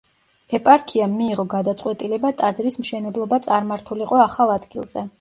ეპარქიამ მიიღო გადაწყვეტილება ტაძრის მშენებლობა წარმართულიყო ახალ ადგილზე.